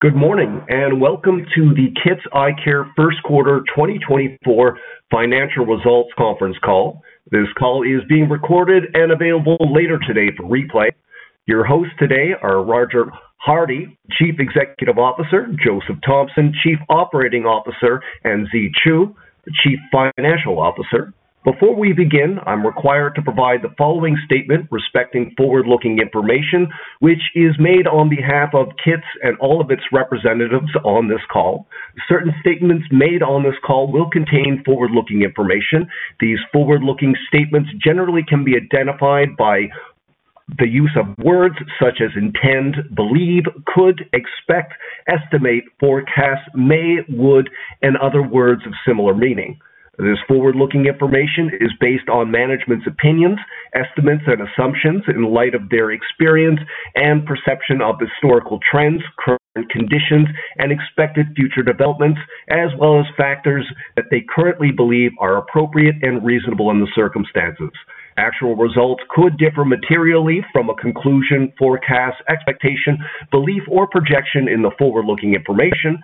Good morning and welcome to the Kits Eyecare First Quarter 2024 Financial Results Conference Call. This call is being recorded and available later today for replay. Your hosts today are Roger Hardy, Chief Executive Officer; Joseph Thompson, Chief Operating Officer; and Zhe Choo, Chief Financial Officer. Before we begin, I'm required to provide the following statement respecting forward-looking information, which is made on behalf of Kits and all of its representatives on this call. Certain statements made on this call will contain forward-looking information. These forward-looking statements generally can be identified by the use of words such as intend, believe, could, expect, estimate, forecast, may, would, and other words of similar meaning. This forward-looking information is based on management's opinions, estimates, and assumptions in light of their experience and perception of historical trends, current conditions, and expected future developments, as well as factors that they currently believe are appropriate and reasonable in the circumstances. Actual results could differ materially from a conclusion, forecast, expectation, belief, or projection in the forward-looking information.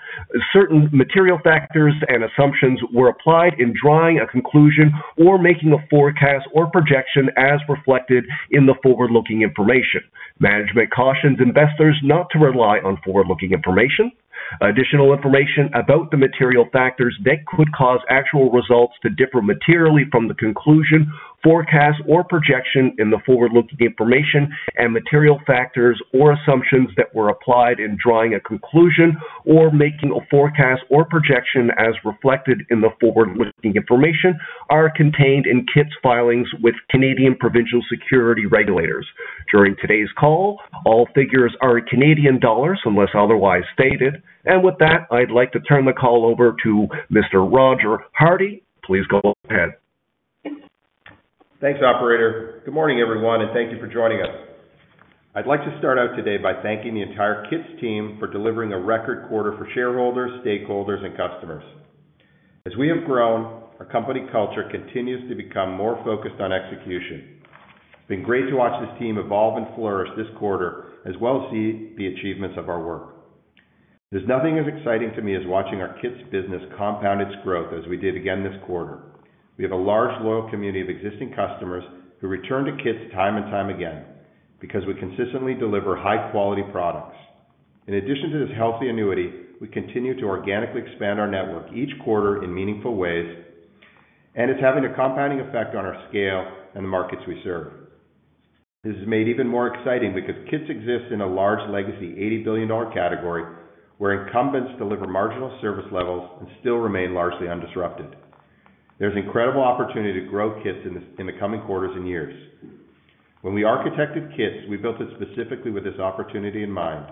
Certain material factors and assumptions were applied in drawing a conclusion or making a forecast or projection as reflected in the forward-looking information. Management cautions investors not to rely on forward-looking information. Additional information about the material factors that could cause actual results to differ materially from the conclusion, forecast, or projection in the forward-looking information and material factors or assumptions that were applied in drawing a conclusion or making a forecast or projection as reflected in the forward-looking information are contained in KITS filings with Canadian Provincial Securities Regulators. During today's call, all figures are in Canadian dollars unless otherwise stated. With that, I'd like to turn the call over to Mr. Roger Hardy. Please go ahead. Thanks, operator. Good morning, everyone, and thank you for joining us. I'd like to start out today by thanking the entire Kits team for delivering a record quarter for shareholders, stakeholders, and customers. As we have grown, our company culture continues to become more focused on execution. It's been great to watch this team evolve and flourish this quarter as well as see the achievements of our work. There's nothing as exciting to me as watching our Kits business compound its growth as we did again this quarter. We have a large loyal community of existing customers who return to Kits time and time again because we consistently deliver high-quality products. In addition to this healthy annuity, we continue to organically expand our network each quarter in meaningful ways, and it's having a compounding effect on our scale and the markets we served. This is made even more exciting because Kits exists in a large legacy $80 billion category where incumbents deliver marginal service levels and still remain largely undisrupted. There's incredible opportunity to grow Kits in the coming quarters and years. When we architected Kits, we built it specifically with this opportunity in mind.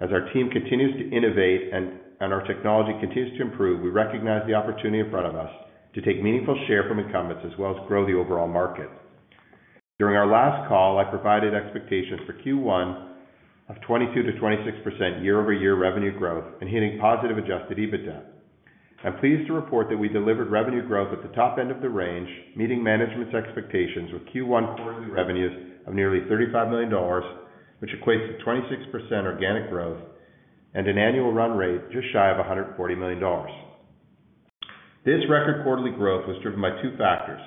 As our team continues to innovate and our technology continues to improve, we recognize the opportunity in front of us to take meaningful share from incumbents as well as grow the overall market. During our last call, I provided expectations for Q1 of 22%-26% year-over-year revenue growth and hitting positive Adjusted EBITDA. I'm pleased to report that we delivered revenue growth at the top end of the range, meeting management's expectations with Q1 quarterly revenues of nearly 35 million dollars, which equates to 26% organic growth and an annual run rate just shy of 140 million dollars. This record quarterly growth was driven by two factors.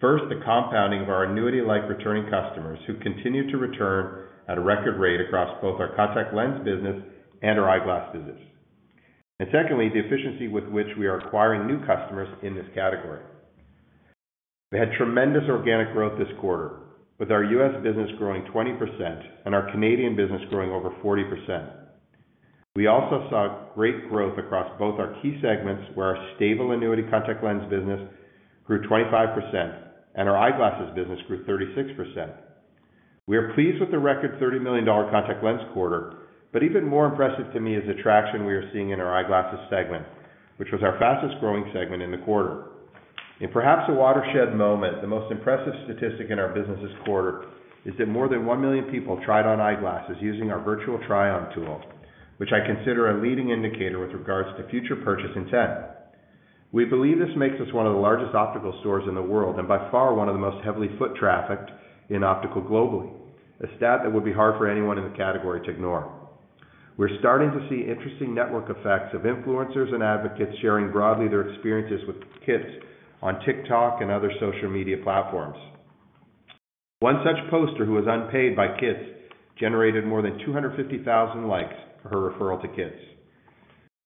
First, the compounding of our annuity-like returning customers who continue to return at a record rate across both our contact lens business and our eyeglass business. And secondly, the efficiency with which we are acquiring new customers in this category. We had tremendous organic growth this quarter with our U.S. business growing 20% and our Canadian business growing over 40%. We also saw great growth across both our key segments where our stable annuity contact lens business grew 25% and our eyeglasses business grew 36%. We are pleased with the record 30 million dollar contact lens quarter, but even more impressive to me is the traction we are seeing in our eyeglasses segment, which was our fastest growing segment in the quarter. In perhaps a watershed moment, the most impressive statistic in our business's quarter is that more than 1 million people tried on eyeglasses using our virtual try-on tool, which I consider a leading indicator with regards to future purchase intent. We believe this makes us one of the largest optical stores in the world and by far one of the most heavily foot-trafficked in optical globally, a stat that would be hard for anyone in the category to ignore. We're starting to see interesting network effects of influencers and advocates sharing broadly their experiences with Kits on TikTok and other social media platforms. One such poster who was unpaid by KITS generated more than 250,000 likes for her referral to KITS.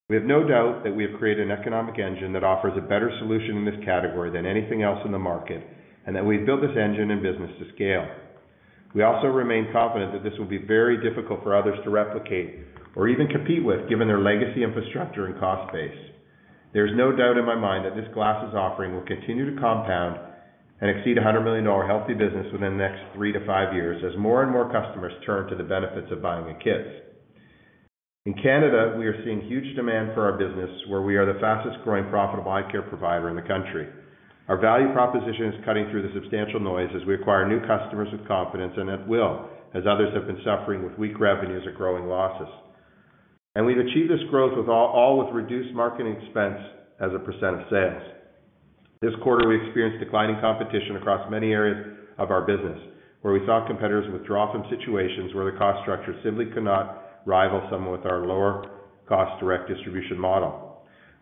We have no doubt that we have created an economic engine that offers a better solution in this category than anything else in the market and that we've built this engine in business to scale. We also remain confident that this will be very difficult for others to replicate or even compete with given their legacy infrastructure and cost base. There's no doubt in my mind that this glasses offering will continue to compound and exceed 100 million dollar healthy business within the next three to five years as more and more customers turn to the benefits of buying a KITS. In Canada, we are seeing huge demand for our business where we are the fastest-growing profitable eyecare provider in the country. Our value proposition is cutting through the substantial noise as we acquire new customers with confidence and at will as others have been suffering with weak revenues or growing losses. We've achieved this growth all with reduced marketing expense as a percent of sales. This quarter, we experienced declining competition across many areas of our business where we saw competitors withdraw from situations where the cost structure simply could not rival someone with our lower cost direct distribution model.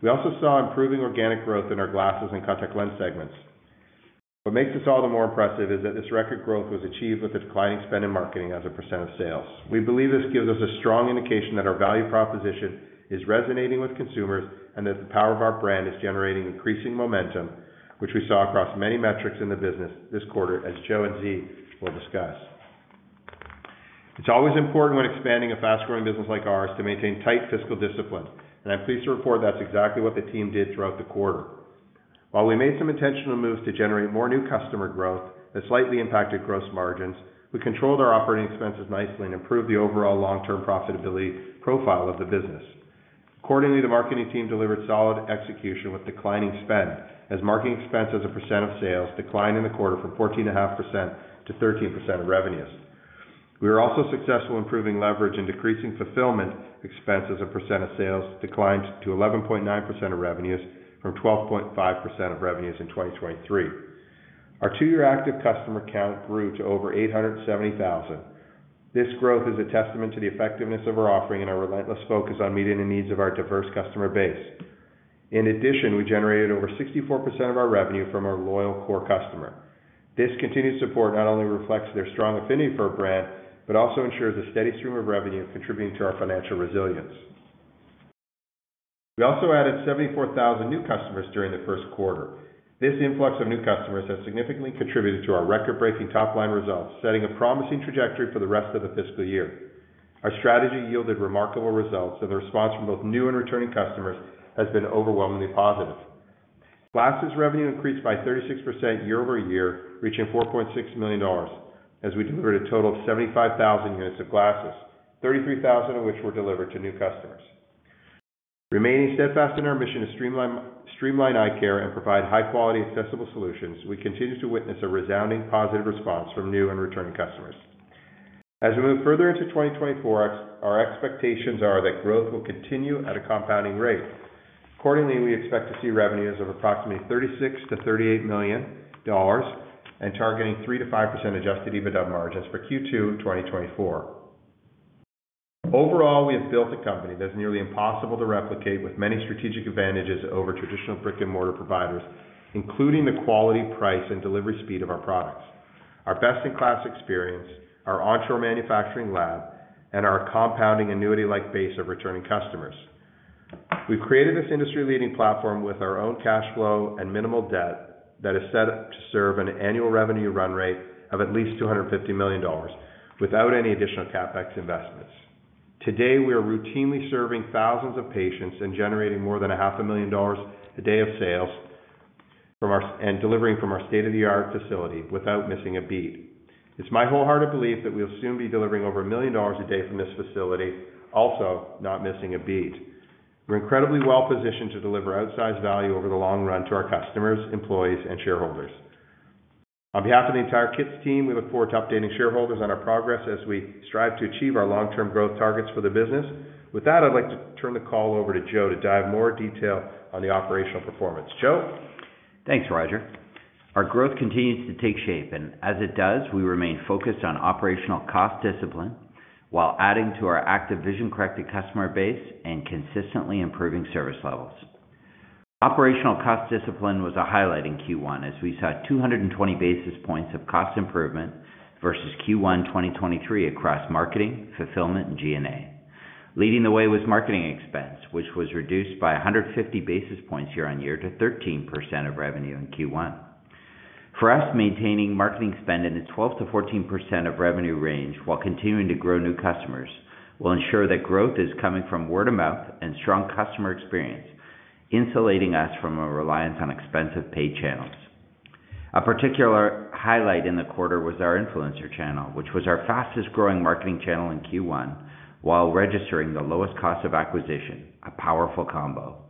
We also saw improving organic growth in our glasses and contact lens segments. What makes this all the more impressive is that this record growth was achieved with a declining spend in marketing as a percent of sales. We believe this gives us a strong indication that our value proposition is resonating with consumers and that the power of our brand is generating increasing momentum, which we saw across many metrics in the business this quarter as Joe and Z will discuss. It's always important when expanding a fast-growing business like ours to maintain tight fiscal discipline, and I'm pleased to report that's exactly what the team did throughout the quarter. While we made some intentional moves to generate more new customer growth that slightly impacted gross margins, we controlled our operating expenses nicely and improved the overall long-term profitability profile of the business. Accordingly, the marketing team delivered solid execution with declining spend as marketing expense as a percent of sales declined in the quarter from 14.5% to 13% of revenues. We were also successful improving leverage and decreasing fulfillment expense as a % of sales declined to 11.9% of revenues from 12.5% of revenues in 2023. Our two-year active customer count grew to over 870,000. This growth is a testament to the effectiveness of our offering and our relentless focus on meeting the needs of our diverse customer base. In addition, we generated over 64% of our revenue from our loyal core customer. This continued support not only reflects their strong affinity for our brand but also ensures a steady stream of revenue contributing to our financial resilience. We also added 74,000 new customers during the first quarter. This influx of new customers has significantly contributed to our record-breaking top-line results, setting a promising trajectory for the rest of the fiscal year. Our strategy yielded remarkable results, and the response from both new and returning customers has been overwhelmingly positive. Glasses revenue increased by 36% year-over-year, reaching 4.6 million dollars as we delivered a total of 75,000 units of glasses, 33,000 of which were delivered to new customers. Remaining steadfast in our mission to streamline eyecare and provide high-quality, accessible solutions, we continue to witness a resounding positive response from new and returning customers. As we move further into 2024, our expectations are that growth will continue at a compounding rate. Accordingly, we expect to see revenues of approximately 36 million-38 million dollars and targeting 3%-5% Adjusted EBITDA margins for Q2 2024. Overall, we have built a company that's nearly impossible to replicate with many strategic advantages over traditional brick-and-mortar providers, including the quality, price, and delivery speed of our products: our best-in-class experience, our onshore manufacturing lab, and our compounding annuity-like base of returning customers. We've created this industry-leading platform with our own cash flow and minimal debt that is set to serve an annual revenue run rate of at least 250 million dollars without any additional CapEx investments. Today, we are routinely serving thousands of patients and generating more than 500,000 dollars a day of sales and delivering from our state-of-the-art facility without missing a beat. It's my wholehearted belief that we'll soon be delivering over 1 million dollars a day from this facility, also not missing a beat. We're incredibly well-positioned to deliver outsized value over the long run to our customers, employees, and shareholders. On behalf of the entire Kits team, we look forward to updating shareholders on our progress as we strive to achieve our long-term growth targets for the business. With that, I'd like to turn the call over to Joe to dive more detail on the operational performance. Joe? Thanks, Roger. Our growth continues to take shape, and as it does, we remain focused on operational cost discipline while adding to our active vision-corrected customer base and consistently improving service levels. Operational cost discipline was a highlight in Q1 as we saw 220 basis points of cost improvement versus Q1 2023 across marketing, fulfillment, and G&A. Leading the way was marketing expense, which was reduced by 150 basis points year-on-year to 13% of revenue in Q1. For us, maintaining marketing spend in the 12%-14% of revenue range while continuing to grow new customers will ensure that growth is coming from word of mouth and strong customer experience, insulating us from a reliance on expensive paid channels. A particular highlight in the quarter was our influencer channel, which was our fastest growing marketing channel in Q1 while registering the lowest cost of acquisition, a powerful combo.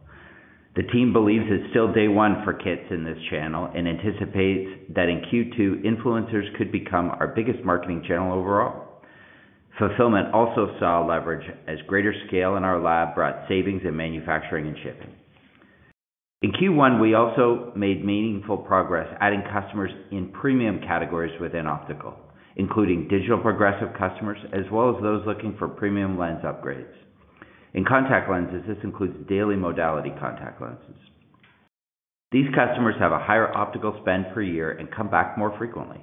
The team believes it's still day one for KITS in this channel and anticipates that in Q2, influencers could become our biggest marketing channel overall. Fulfillment also saw leverage as greater scale in our lab brought savings in manufacturing and shipping. In Q1, we also made meaningful progress adding customers in premium categories within optical, including digital progressive customers as well as those looking for premium lens upgrades. In contact lenses, this includes daily modality contact lenses. These customers have a higher optical spend per year and come back more frequently.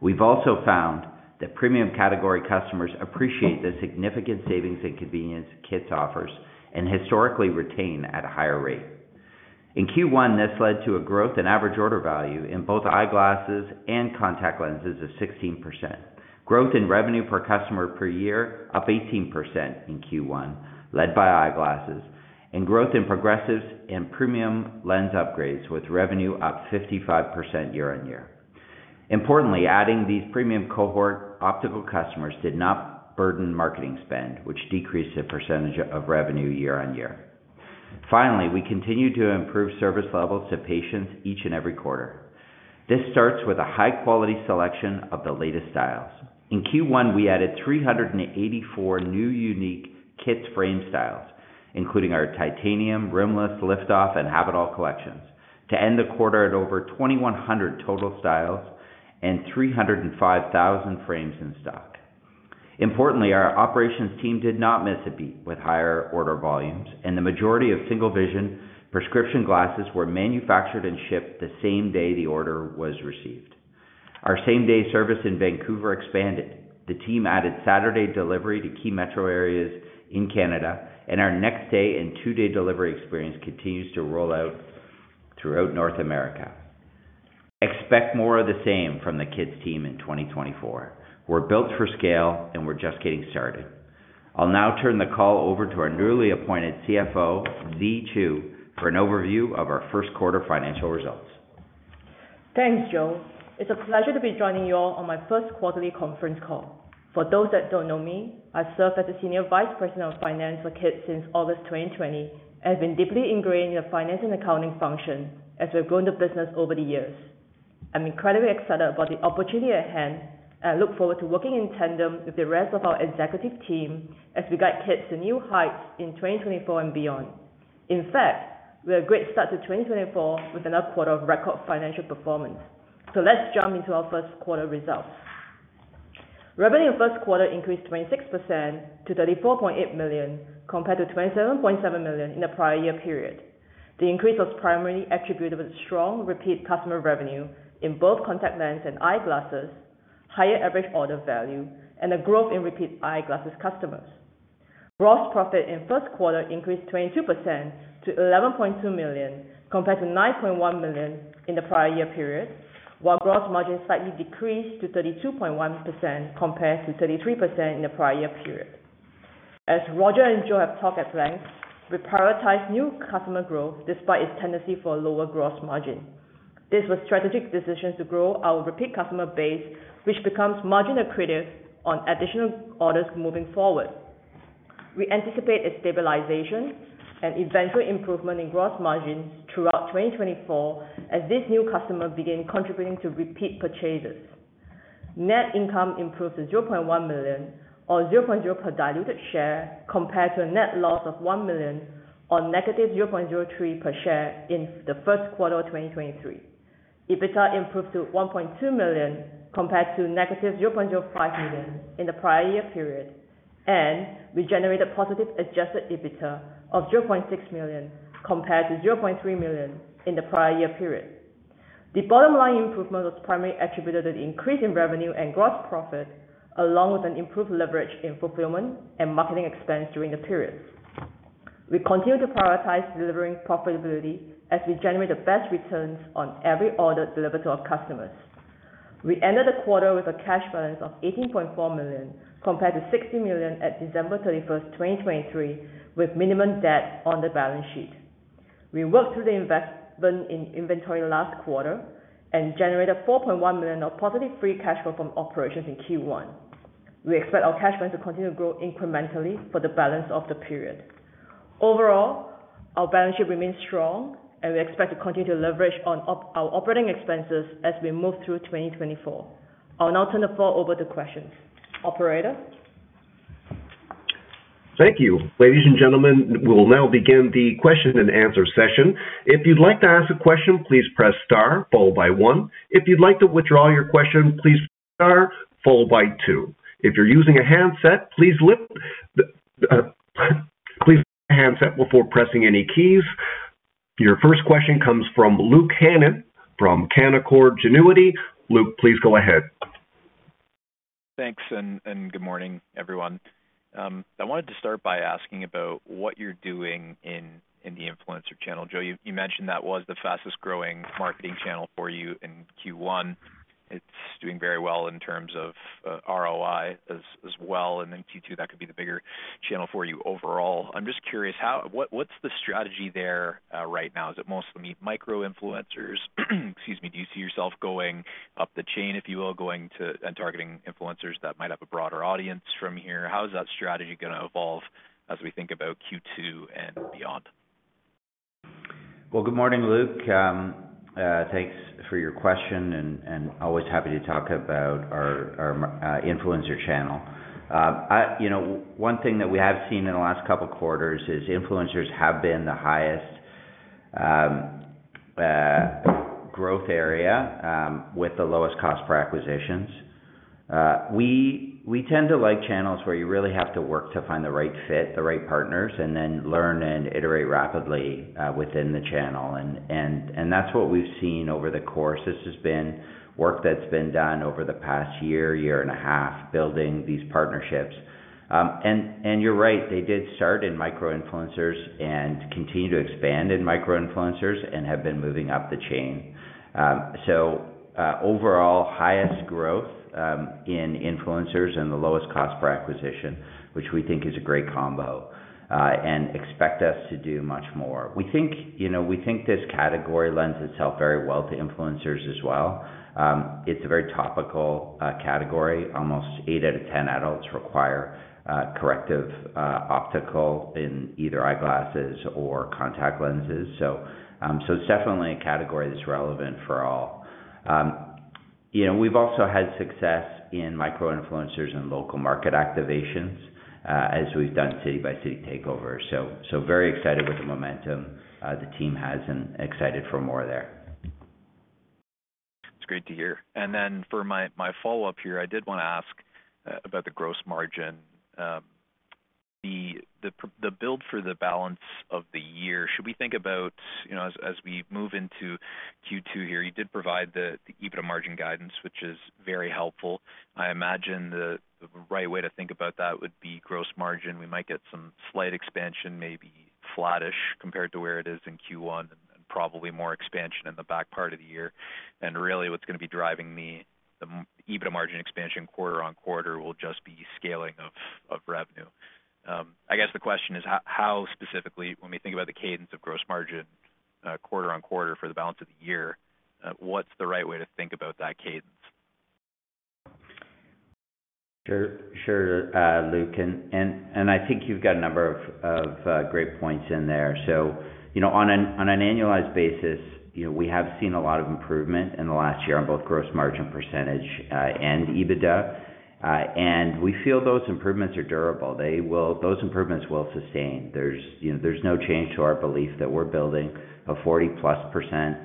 We've also found that premium category customers appreciate the significant savings and convenience KITS offers and historically retain at a higher rate. In Q1, this led to a growth in average order value in both eyeglasses and contact lenses of 16%, growth in revenue per customer per year up 18% in Q1 led by eyeglasses, and growth in progressives and premium lens upgrades with revenue up 55% year-on-year. Importantly, adding these premium cohort optical customers did not burden marketing spend, which decreased the percentage of revenue year-on-year. Finally, we continue to improve service levels to patients each and every quarter. This starts with a high-quality selection of the latest styles. In Q1, we added 384 new unique KITS frame styles, including our Titanium, Rimless, Lift-Off, and Have-It-All collections, to end the quarter at over 2,100 total styles and 305,000 frames in stock. Importantly, our operations team did not miss a beat with higher order volumes, and the majority of single-vision prescription glasses were manufactured and shipped the same day the order was received. Our same-day service in Vancouver expanded. The team added Saturday delivery to key metro areas in Canada, and our next-day and two-day delivery experience continues to roll out throughout North America. Expect more of the same from the Kits team in 2024. We're built for scale, and we're just getting started. I'll now turn the call over to our newly appointed CFO, Zhe Choo, for an overview of our first quarter financial results. Thanks, Joe. It's a pleasure to be joining you all on my first quarterly conference call. For those that don't know me, I serve as the Senior Vice President of Finance for Kits since August 2020 and have been deeply ingrained in the finance and accounting function as we've grown the business over the years. I'm incredibly excited about the opportunity at hand, and I look forward to working in tandem with the rest of our executive team as we guide Kits to new heights in 2024 and beyond. In fact, we're a great start to 2024 with another quarter of record financial performance. Let's jump into our first quarter results. Revenue in first quarter increased 26% to 34.8 million compared to 27.7 million in the prior year period. The increase was primarily attributed with strong repeat customer revenue in both contact lens and eyeglasses, higher average order value, and the growth in repeat eyeglasses customers. Gross profit in first quarter increased 22% to 11.2 million compared to 9.1 million in the prior year period, while gross margin slightly decreased to 32.1% compared to 33% in the prior year period. As Roger and Joe have talked at length, we prioritize new customer growth despite its tendency for a lower gross margin. This was a strategic decision to grow our repeat customer base, which becomes marginally creative on additional orders moving forward. We anticipate a stabilization and eventual improvement in gross margin throughout 2024 as these new customers begin contributing to repeat purchases. Net income improved to 0.1 million or $0.00 per diluted share compared to a net loss of 1 million or negative $0.03 per share in the first quarter of 2023. EBITDA improved to 1.2 million compared to negative 0.05 million in the prior year period, and we generated positive adjusted EBITDA of 0.6 million compared to 0.3 million in the prior year period. The bottom-line improvement was primarily attributed to the increase in revenue and gross profit, along with an improved leverage in fulfillment and marketing expense during the periods. We continue to prioritize delivering profitability as we generate the best returns on every order delivered to our customers. We ended the quarter with a cash balance of 18.4 million compared to 60 million at December 31st, 2023, with minimum debt on the balance sheet. We worked through the investment in inventory last quarter and generated 4.1 million of positive free cash flow from operations in Q1. We expect our cash balance to continue to grow incrementally for the balance of the period. Overall, our balance sheet remains strong, and we expect to continue to leverage on our operating expenses as we move through 2024. I'll now turn the floor over to questions. Operator? Thank you. Ladies and gentlemen, we will now begin the question and answer session. If you'd like to ask a question, please press star, followed by one. If you'd like to withdraw your question, please press star, followed by two. If you're using a handset, please lift the handset before pressing any keys. Your first question comes from Luke Hannan from Canaccord Genuity. Luke, please go ahead. Thanks, and good morning, everyone. I wanted to start by asking about what you're doing in the influencer channel. Joe, you mentioned that was the fastest-growing marketing channel for you in Q1. It's doing very well in terms of ROI as well. And in Q2, that could be the bigger channel for you overall. I'm just curious, what's the strategy there right now? Is it mostly micro-influencers? Excuse me, do you see yourself going up the chain, if you will, and targeting influencers that might have a broader audience from here? How is that strategy going to evolve as we think about Q2 and beyond? Well, good morning, Luke. Thanks for your question, and always happy to talk about our influencer channel. One thing that we have seen in the last couple of quarters is influencers have been the highest growth area with the lowest cost per acquisitions. We tend to like channels where you really have to work to find the right fit, the right partners, and then learn and iterate rapidly within the channel. And that's what we've seen over the course. This has been work that's been done over the past year, year and a half, building these partnerships. And you're right. They did start in micro-influencers and continue to expand in micro-influencers and have been moving up the chain. So overall, highest growth in influencers and the lowest cost per acquisition, which we think is a great combo, and expect us to do much more. We think this category lends itself very well to influencers as well. It's a very topical category. Almost eight out of 10 adults require corrective optical in either eyeglasses or contact lenses. So it's definitely a category that's relevant for all. We've also had success in micro-influencers and local market activations as we've done city-by-city takeovers. So very excited with the momentum the team has and excited for more there. That's great to hear. And then for my follow-up here, I did want to ask about the gross margin. The build for the balance of the year, should we think about as we move into Q2 here? You did provide the EBITDA margin guidance, which is very helpful. I imagine the right way to think about that would be gross margin. We might get some slight expansion, maybe flattish compared to where it is in Q1, and probably more expansion in the back part of the year. And really, what's going to be driving the EBITDA margin expansion quarter-over-quarter will just be scaling of revenue. I guess the question is, how specifically, when we think about the cadence of gross margin quarter-over-quarter for the balance of the year, what's the right way to think about that cadence? Sure, Luke. And I think you've got a number of great points in there. So on an annualized basis, we have seen a lot of improvement in the last year on both gross margin percentage and EBITDA. And we feel those improvements are durable. Those improvements will sustain. There's no change to our belief that we're building a 40%+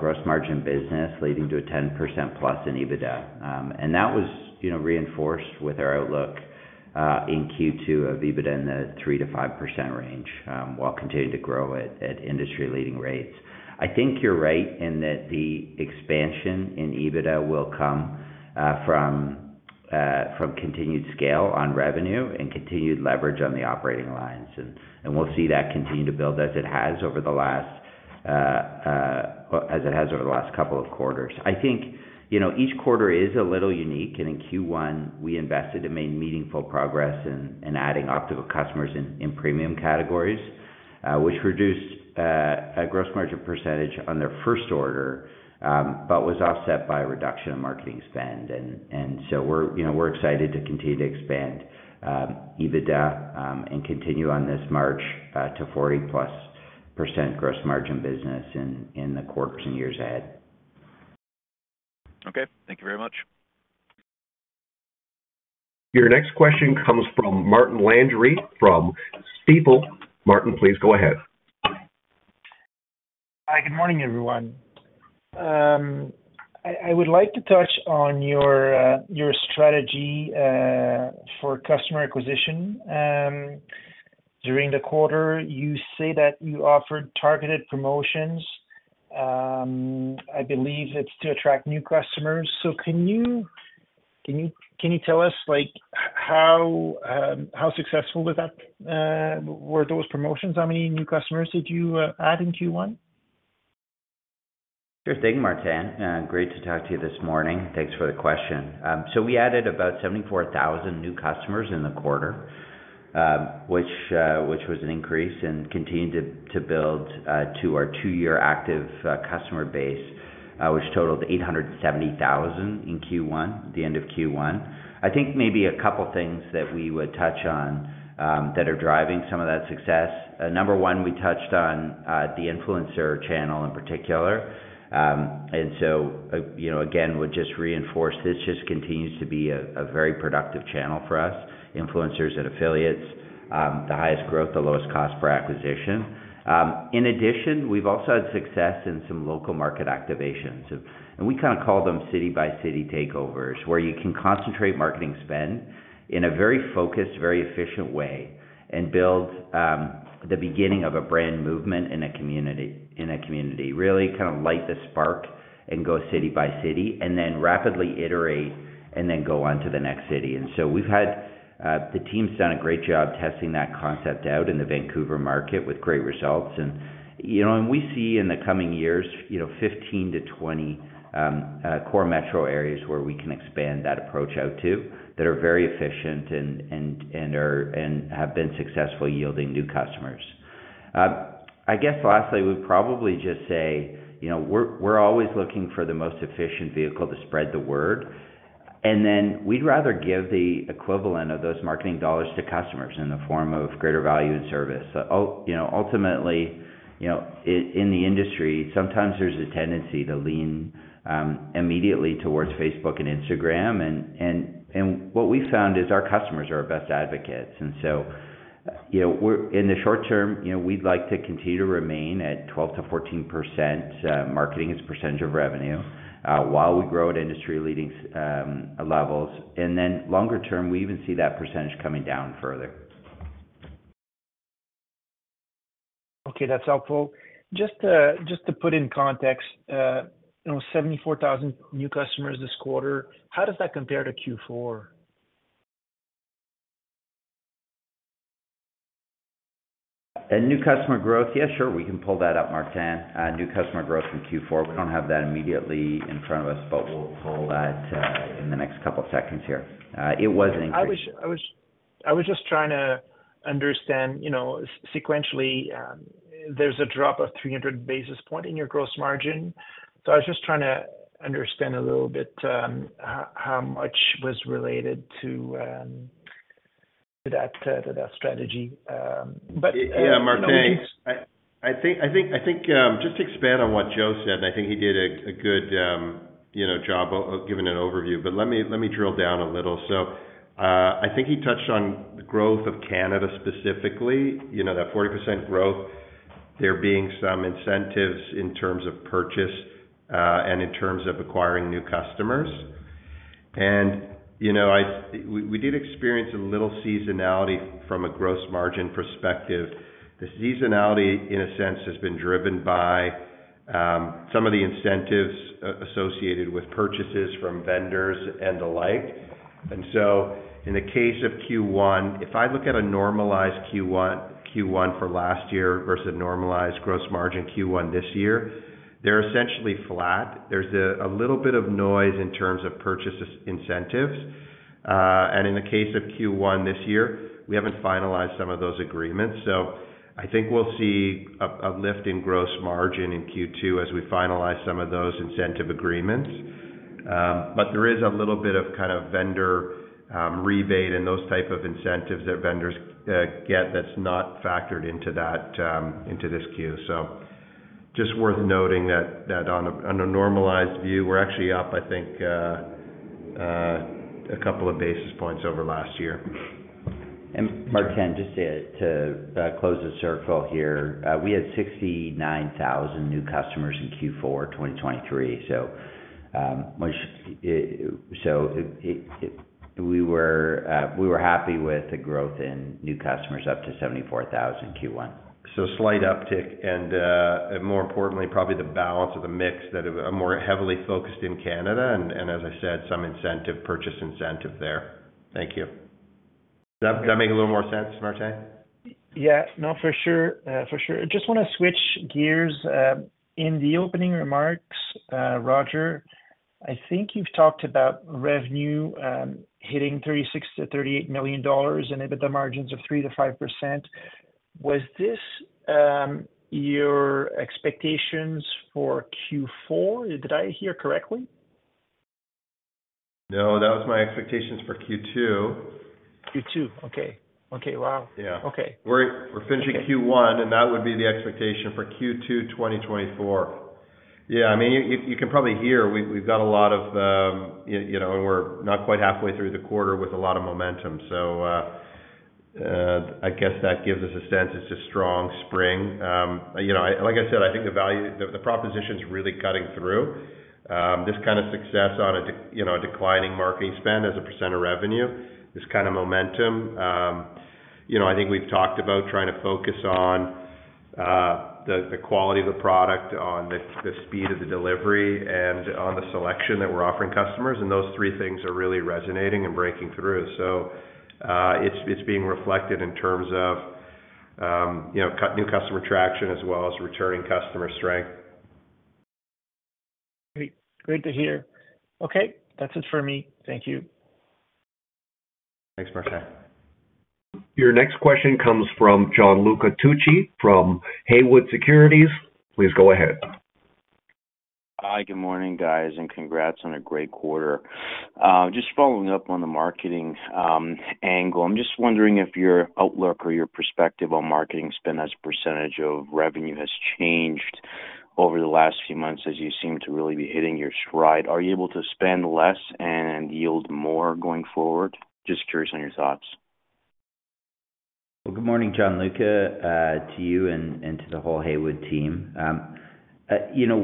gross margin business leading to a 10%+ in EBITDA. And that was reinforced with our outlook in Q2 of EBITDA in the 3%-5% range while continuing to grow at industry-leading rates. I think you're right in that the expansion in EBITDA will come from continued scale on revenue and continued leverage on the operating lines. And we'll see that continue to build as it has over the last couple of quarters. I think each quarter is a little unique. In Q1, we invested and made meaningful progress in adding optical customers in premium categories, which reduced gross margin percentage on their first order but was offset by a reduction in marketing spend. So we're excited to continue to expand EBITDA and continue on this march to 40%+ gross margin business in the quarters and years ahead. Okay. Thank you very much. Your next question comes from Martin Landry from Stifel. Martin, please go ahead. Hi. Good morning, everyone. I would like to touch on your strategy for customer acquisition during the quarter. You say that you offered targeted promotions. I believe it's to attract new customers. So can you tell us how successful were those promotions? How many new customers did you add in Q1? Sure thing, Martin. Great to talk to you this morning. Thanks for the question. So we added about 74,000 new customers in the quarter, which was an increase, and continued to build to our two-year active customer base, which totaled 870,000 in Q1, the end of Q1. I think maybe a couple of things that we would touch on that are driving some of that success. Number one, we touched on the influencer channel in particular. And so, again, would just reinforce this just continues to be a very productive channel for us, influencers and affiliates, the highest growth, the lowest cost per acquisition. In addition, we've also had success in some local market activations. And we kind of call them city-by-city takeovers, where you can concentrate marketing spend in a very focused, very efficient way and build the beginning of a brand movement in a community, really kind of light the spark and go city by city, and then rapidly iterate, and then go on to the next city. And so the team's done a great job testing that concept out in the Vancouver market with great results. And we see in the coming years 15-20 core metro areas where we can expand that approach out to that are very efficient and have been successful yielding new customers. I guess lastly, we'd probably just say we're always looking for the most efficient vehicle to spread the word. And then we'd rather give the equivalent of those marketing dollars to customers in the form of greater value and service. Ultimately, in the industry, sometimes there's a tendency to lean immediately towards Facebook and Instagram. What we found is our customers are our best advocates. So in the short term, we'd like to continue to remain at 12%-14% marketing as a percentage of revenue while we grow at industry-leading levels. Then longer term, we even see that percentage coming down further. Okay. That's helpful. Just to put in context, 74,000 new customers this quarter. How does that compare to Q4? New customer growth, yeah, sure. We can pull that up, Martin. New customer growth in Q4. We don't have that immediately in front of us, but we'll pull that in the next couple of seconds here. It was an increase. I was just trying to understand sequentially, there's a drop of 300 basis points in your gross margin. So I was just trying to understand a little bit how much was related to that strategy. But no worries. Yeah, Martin. I think just to expand on what Joe said, and I think he did a good job giving an overview, but let me drill down a little. So I think he touched on the growth of Canada specifically, that 40% growth. There being some incentives in terms of purchase and in terms of acquiring new customers. And we did experience a little seasonality from a gross margin perspective. The seasonality, in a sense, has been driven by some of the incentives associated with purchases from vendors and the like. And so in the case of Q1, if I look at a normalized Q1 for last year versus normalized gross margin Q1 this year, they're essentially flat. There's a little bit of noise in terms of purchase incentives. And in the case of Q1 this year, we haven't finalized some of those agreements. I think we'll see a lift in gross margin in Q2 as we finalize some of those incentive agreements. But there is a little bit of kind of vendor rebate and those type of incentives that vendors get that's not factored into this Q. Just worth noting that on a normalized view, we're actually up, I think, a couple of basis points over last year. Martin, just to close the circle here, we had 69,000 new customers in Q4 2023. We were happy with the growth in new customers up to 74,000 Q1. So slight uptick. And more importantly, probably the balance or the mix that are more heavily focused in Canada and, as I said, some incentive, purchase incentive there. Thank you. Does that make a little more sense, Martin? Yeah. No, for sure. For sure. I just want to switch gears. In the opening remarks, Roger, I think you've talked about revenue hitting 36 million-38 million dollars and EBITDA margins of 3%-5%. Was this your expectations for Q4? Did I hear correctly? No, that was my expectations for Q2. Q2. Okay. Okay. Wow. Okay. Yeah. We're finishing Q1, and that would be the expectation for Q2 2024. Yeah. I mean, you can probably hear we've got a lot, and we're not quite halfway through the quarter with a lot of momentum. So I guess that gives us a sense. It's a strong spring. Like I said, I think the value proposition's really cutting through. This kind of success on a declining marketing spend as a percent of revenue, this kind of momentum, I think we've talked about trying to focus on the quality of the product, on the speed of the delivery, and on the selection that we're offering customers. And those three things are really resonating and breaking through. So it's being reflected in terms of new customer traction as well as returning customer strength. Great. Great to hear. Okay. That's it for me. Thank you. Thanks, Martin. Your next question comes from Gianluca Tucci from Haywood Securities. Please go ahead. Hi. Good morning, guys, and congrats on a great quarter. Just following up on the marketing angle, I'm just wondering if your outlook or your perspective on marketing spend as a percentage of revenue has changed over the last few months as you seem to really be hitting your stride. Are you able to spend less and yield more going forward? Just curious on your thoughts. Well, good morning, Gianluca, to you and to the whole Haywood team.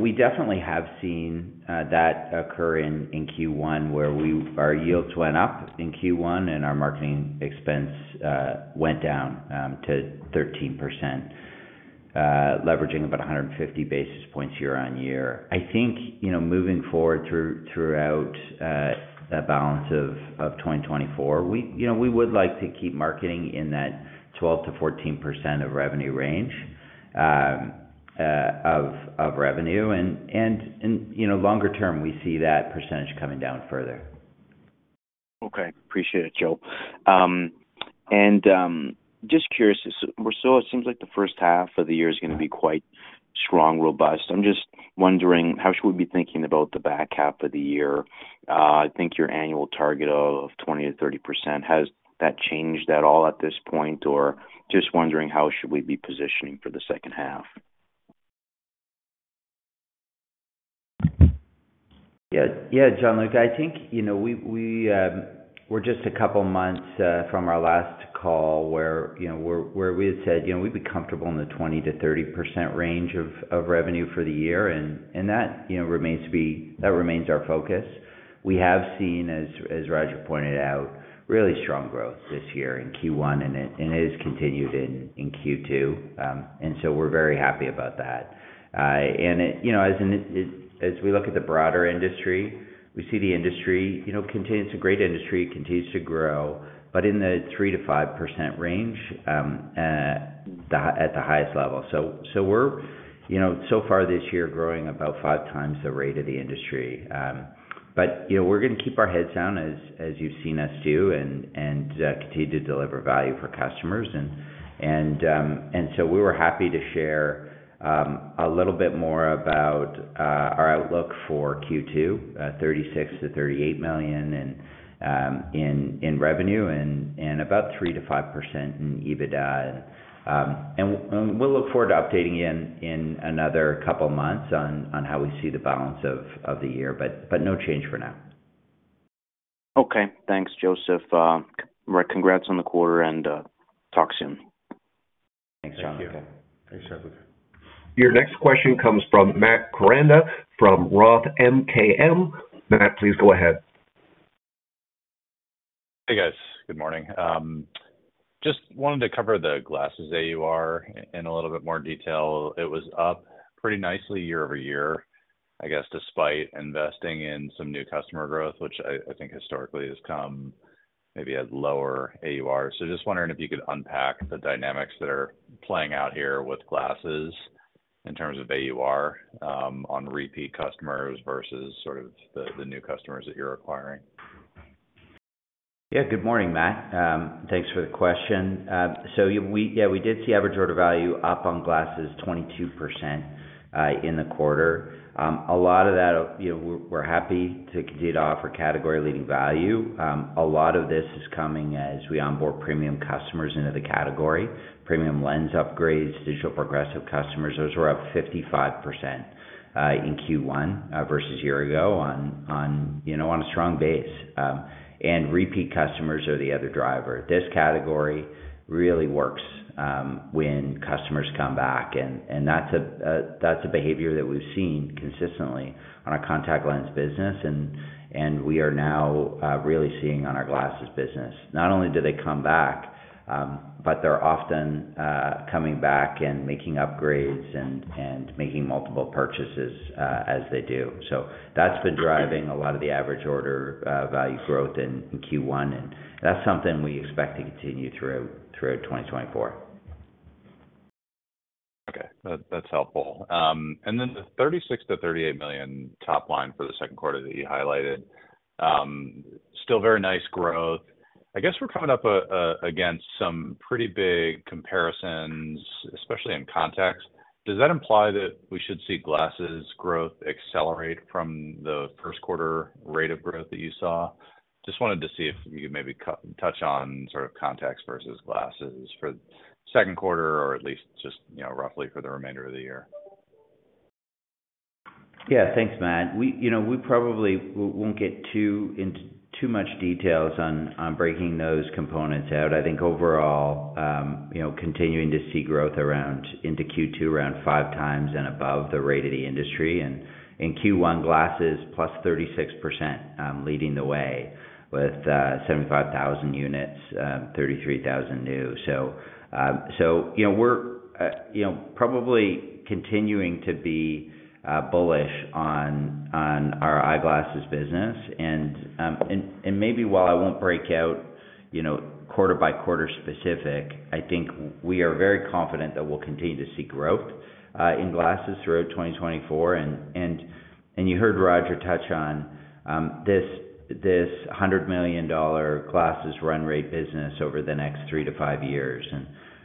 We definitely have seen that occur in Q1 where our yields went up in Q1 and our marketing expense went down to 13%, leveraging about 150 basis points year-over-year. I think moving forward throughout the balance of 2024, we would like to keep marketing in that 12%-14% of revenue range of revenue. Longer term, we see that percentage coming down further. Okay. Appreciate it, Joe. And just curious, we're still it seems like the first half of the year is going to be quite strong, robust. I'm just wondering how should we be thinking about the back half of the year? I think your annual target of 20%-30%. Has that changed at all at this point, or just wondering how should we be positioning for the second half? Yeah. Yeah, Gianluca. I think we're just a couple of months from our last call where we had said we'd be comfortable in the 20%-30% range of revenue for the year. And that remains our focus. We have seen, as Roger pointed out, really strong growth this year in Q1, and it has continued in Q2. And so we're very happy about that. And as we look at the broader industry, we see the industry. It's a great industry. It continues to grow. But in the 3%-5% range at the highest level. So we're, so far this year, growing about five times the rate of the industry. But we're going to keep our heads down as you've seen us do and continue to deliver value for customers. So we were happy to share a little bit more about our outlook for Q2, 36 million-38 million in revenue and about 3%-5% in EBITDA. We'll look forward to updating in another couple of months on how we see the balance of the year. No change for now. Okay. Thanks, Joseph. Congrats on the quarter, and talk soon. Thanks, Gianluca. Thank you. Thanks, Gianluca. Your next question comes from Matt Koranda from Roth MKM. Matt, please go ahead. Hey, guys. Good morning. Just wanted to cover the glasses AUR in a little bit more detail. It was up pretty nicely year-over-year, I guess, despite investing in some new customer growth, which I think historically has come maybe at lower AUR. Just wondering if you could unpack the dynamics that are playing out here with glasses in terms of AUR on repeat customers versus sort of the new customers that you're acquiring? Yeah. Good morning, Matt. Thanks for the question. So yeah, we did see average order value up on glasses 22% in the quarter. A lot of that, we're happy to continue to offer category-leading value. A lot of this is coming as we onboard premium customers into the category, premium lens upgrades, digital progressive customers. Those were up 55% in Q1 versus a year ago on a strong base. And repeat customers are the other driver. This category really works when customers come back. And that's a behavior that we've seen consistently on our contact lens business. And we are now really seeing on our glasses business. Not only do they come back, but they're often coming back and making upgrades and making multiple purchases as they do. So that's been driving a lot of the average order value growth in Q1. That's something we expect to continue throughout 2024. Okay. That's helpful. And then the 36 million-38 million top line for the second quarter that you highlighted, still very nice growth. I guess we're coming up against some pretty big comparisons, especially in contacts. Does that imply that we should see glasses growth accelerate from the first quarter rate of growth that you saw? Just wanted to see if you could maybe touch on sort of contacts versus glasses for the second quarter or at least just roughly for the remainder of the year. Yeah. Thanks, Matt. We probably won't get too much details on breaking those components out. I think overall, continuing to see growth into Q2 around 5x and above the rate of the industry. In Q1, glasses +36% leading the way with 75,000 units, 33,000 new. So we're probably continuing to be bullish on our eyeglasses business. Maybe while I won't break out quarter-by-quarter specific, I think we are very confident that we'll continue to see growth in glasses throughout 2024. You heard Roger touch on this 100 million dollar glasses run rate business over the next 3-5 years.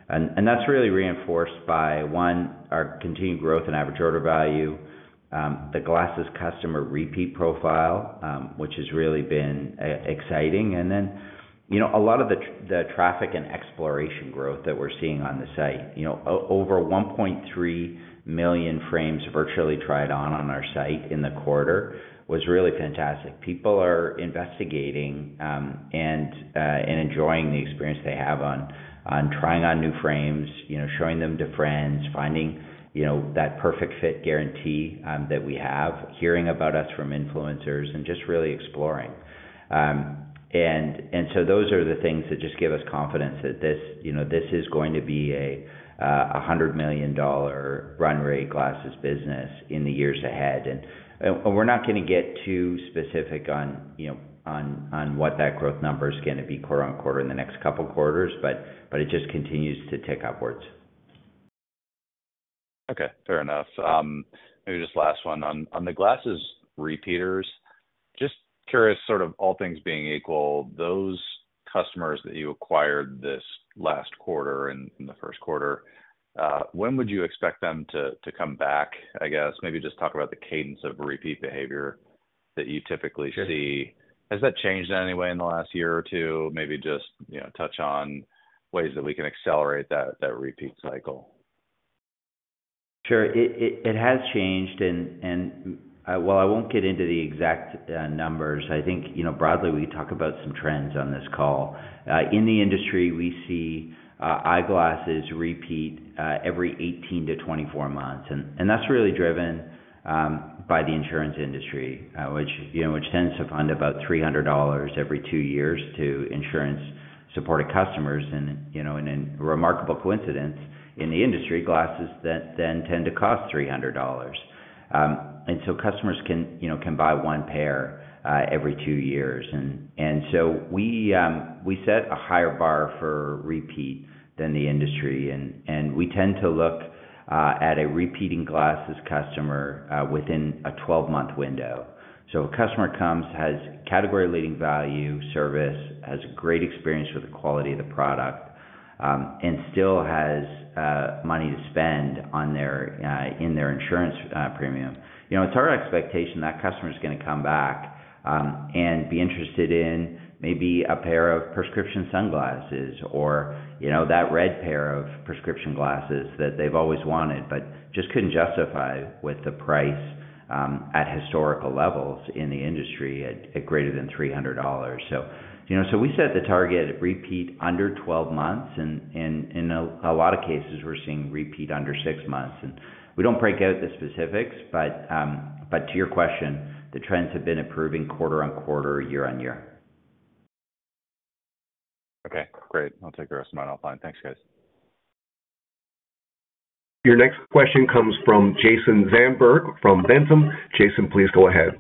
That's really reinforced by, one, our continued growth in average order value, the glasses customer repeat profile, which has really been exciting. Then a lot of the traffic and exploration growth that we're seeing on the site. Over 1.3 million frames virtually tried on our site in the quarter was really fantastic. People are investigating and enjoying the experience they have on trying on new frames, showing them to friends, finding that Perfect Fit Guarantee that we have, hearing about us from influencers, and just really exploring. Those are the things that just give us confidence that this is going to be a 100 million dollar run rate glasses business in the years ahead. We're not going to get too specific on what that growth number is going to be quarter-over-quarter in the next couple of quarters, but it just continues to tick upwards. Okay. Fair enough. Maybe just last one. On the glasses repeaters, just curious, sort of all things being equal, those customers that you acquired this last quarter and the first quarter, when would you expect them to come back, I guess? Maybe just talk about the cadence of repeat behavior that you typically see. Has that changed in any way in the last year or two? Maybe just touch on ways that we can accelerate that repeat cycle. Sure. It has changed. While I won't get into the exact numbers, I think broadly, we can talk about some trends on this call. In the industry, we see eyeglasses repeat every 18-24 months. That's really driven by the insurance industry, which tends to fund about 300 dollars every two years to insurance-supported customers. In a remarkable coincidence, in the industry, glasses then tend to cost 300 dollars. Customers can buy one pair every two years. We set a higher bar for repeat than the industry. We tend to look at a repeating glasses customer within a 12-month window. A customer comes, has category-leading value, service, has a great experience with the quality of the product, and still has money to spend in their insurance premium. It's our expectation that customer is going to come back and be interested in maybe a pair of prescription sunglasses or that red pair of prescription glasses that they've always wanted but just couldn't justify with the price at historical levels in the industry at greater than $300. So we set the target repeat under 12 months. And in a lot of cases, we're seeing repeat under 6 months. And we don't break out the specifics. But to your question, the trends have been improving quarter-over-quarter, year-over-year. Okay. Great. I'll take the rest of mine offline. Thanks, guys. Your next question comes from Jason Zandberg from The Benchmark Company. Jason, please go ahead.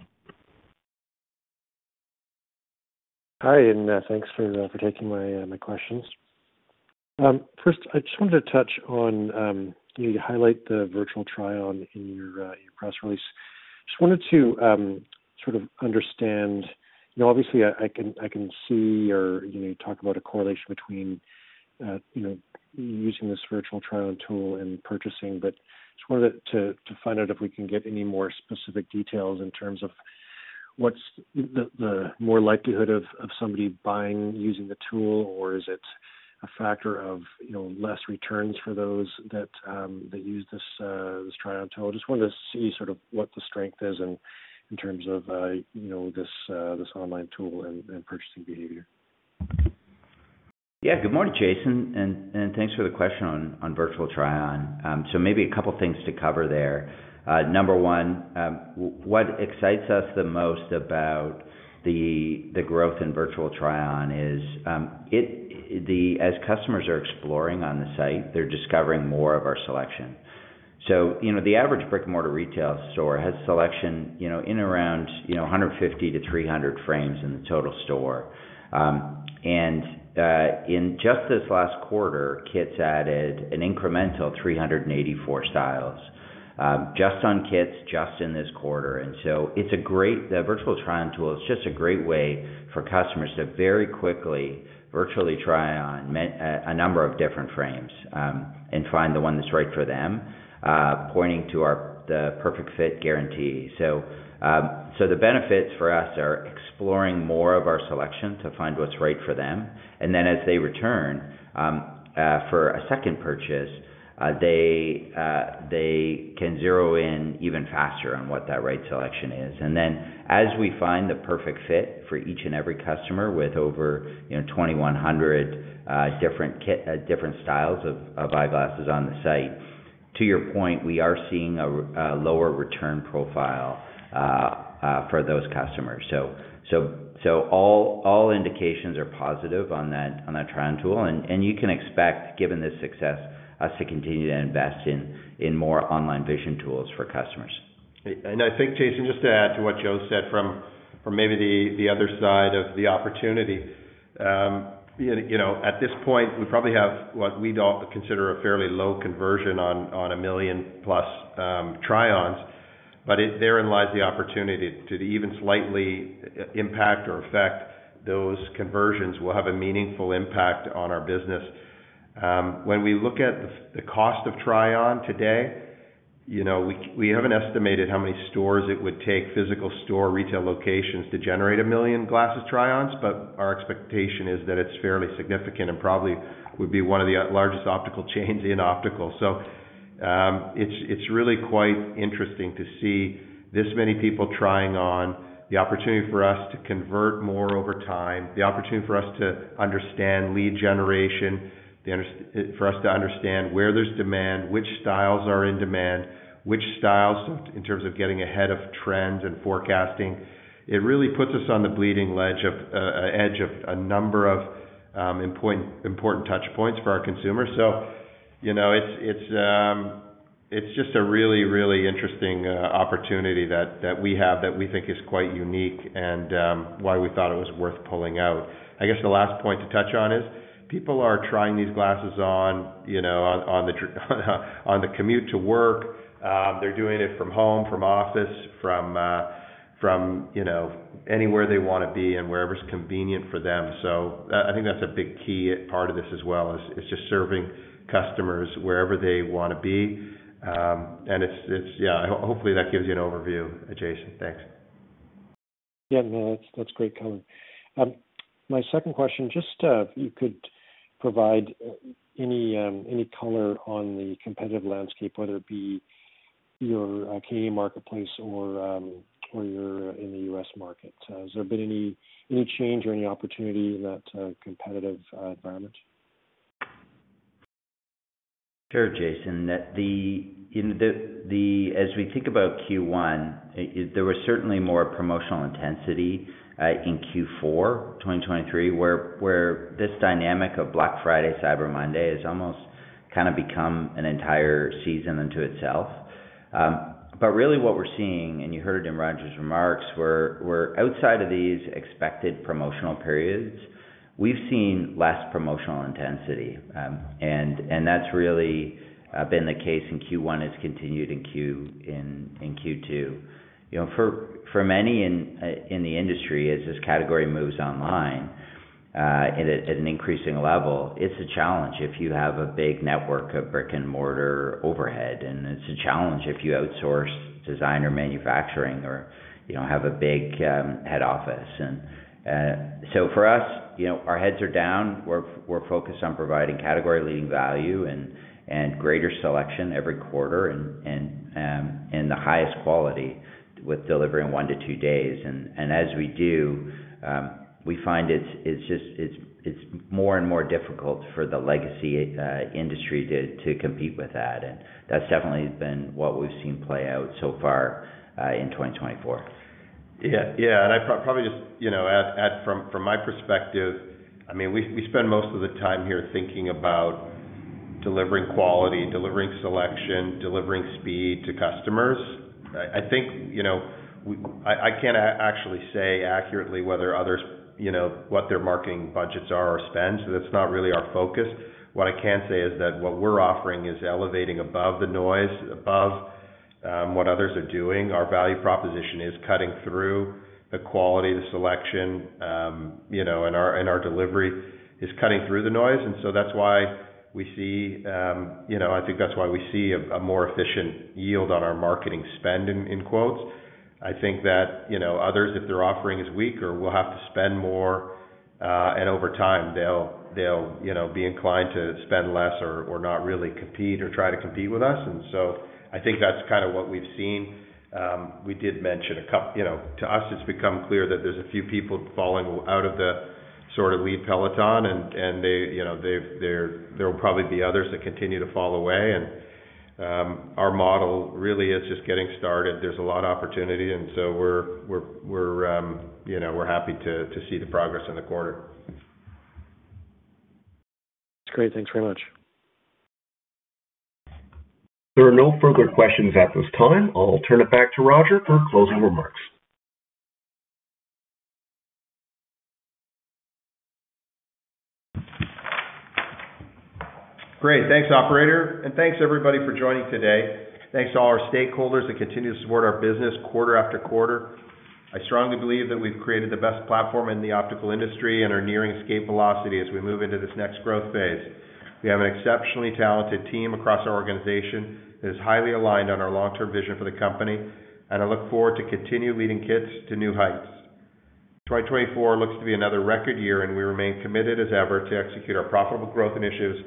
Hi, and thanks for taking my questions. First, I just wanted to touch on you highlight the Virtual Try-On in your press release. Just wanted to sort of understand obviously, I can see or you talk about a correlation between using this Virtual Try-On tool and purchasing. But just wanted to find out if we can get any more specific details in terms of what's the more likelihood of somebody buying using the tool, or is it a factor of less returns for those that use this try-on tool? Just wanted to see sort of what the strength is in terms of this online tool and purchasing behavior. Yeah. Good morning, Jason. And thanks for the question on virtual try-on. So maybe a couple of things to cover there. Number one, what excites us the most about the growth in virtual try-on is as customers are exploring on the site, they're discovering more of our selection. So the average brick-and-mortar retail store has selection in around 150-300 frames in the total store. And in just this last quarter, Kits added an incremental 384 styles just on Kits, just in this quarter. And so the virtual try-on tool is just a great way for customers to very quickly virtually try on a number of different frames and find the one that's right for them, pointing to the Perfect Fit Guarantee. So the benefits for us are exploring more of our selection to find what's right for them. Then as they return for a second purchase, they can zero in even faster on what that right selection is. Then as we find the perfect fit for each and every customer with over 2,100 different styles of eyeglasses on the site, to your point, we are seeing a lower return profile for those customers. All indications are positive on that try-on tool. You can expect, given this success, us to continue to invest in more online vision tools for customers. And I think, Jason, just to add to what Joe said from maybe the other side of the opportunity, at this point, we probably have what we'd all consider a fairly low conversion on 1 million-plus try-ons. But therein lies the opportunity to even slightly impact or affect those conversions will have a meaningful impact on our business. When we look at the cost of try-on today, we haven't estimated how many stores it would take, physical store retail locations, to generate 1 million glasses try-ons. But our expectation is that it's fairly significant and probably would be one of the largest optical chains in optical. So it's really quite interesting to see this many people trying on, the opportunity for us to convert more over time, the opportunity for us to understand lead generation, for us to understand where there's demand, which styles are in demand, which styles in terms of getting ahead of trends and forecasting. It really puts us on the bleeding edge of a number of important touchpoints for our consumers. So it's just a really, really interesting opportunity that we have that we think is quite unique and why we thought it was worth pulling out. I guess the last point to touch on is people are trying these glasses on on the commute to work. They're doing it from home, from office, from anywhere they want to be and wherever's convenient for them. I think that's a big key part of this as well is just serving customers wherever they want to be. Yeah, hopefully, that gives you an overview, Jason. Thanks. Yeah. No, that's great color. My second question, just if you could provide any color on the competitive landscape, whether it be your Canadian marketplace or in the U.S. market? Has there been any change or any opportunity in that competitive environment? Sure, Jason. As we think about Q1, there was certainly more promotional intensity in Q4, 2023, where this dynamic of Black Friday, Cyber Monday has almost kind of become an entire season unto itself. But really, what we're seeing, and you heard it in Roger's remarks, where outside of these expected promotional periods, we've seen less promotional intensity. And that's really been the case in Q1. It's continued in Q2. For many in the industry, as this category moves online at an increasing level, it's a challenge if you have a big network of brick-and-mortar overhead. And it's a challenge if you outsource design or manufacturing or have a big head office. And so for us, our heads are down. We're focused on providing category-leading value and greater selection every quarter and the highest quality with delivering 1-2 days. As we do, we find it's more and more difficult for the legacy industry to compete with that. That's definitely been what we've seen play out so far in 2024. Yeah. Yeah. I probably just add from my perspective, I mean, we spend most of the time here thinking about delivering quality, delivering selection, delivering speed to customers. I think I can't actually say accurately what their marketing budgets are or spend. So that's not really our focus. What I can say is that what we're offering is elevating above the noise, above what others are doing. Our value proposition is cutting through the quality. The selection in our delivery is cutting through the noise. And so that's why we see I think that's why we see a more efficient yield on our marketing spend, in quotes. I think that others, if their offering is weak or will have to spend more and over time, they'll be inclined to spend less or not really compete or try to compete with us. I think that's kind of what we've seen. We did mention a couple to us; it's become clear that there's a few people falling out of the sort of lead peloton. There will probably be others that continue to fall away. Our model really is just getting started. There's a lot of opportunity. We're happy to see the progress in the quarter. That's great. Thanks very much. There are no further questions at this time. I'll turn it back to Roger for closing remarks. Great. Thanks, operator. Thanks, everybody, for joining today. Thanks to all our stakeholders that continue to support our business quarter after quarter. I strongly believe that we've created the best platform in the optical industry and are nearing escape velocity as we move into this next growth phase. We have an exceptionally talented team across our organization that is highly aligned on our long-term vision for the company. I look forward to continue leading Kits to new heights. 2024 looks to be another record year, and we remain committed as ever to execute our profitable growth initiatives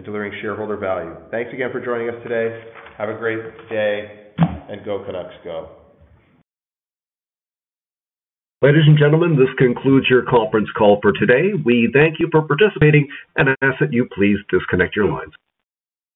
and delivering shareholder value. Thanks again for joining us today. Have a great day, and go Kits go. Ladies and gentlemen, this concludes your conference call for today. We thank you for participating and ask that you please disconnect your lines.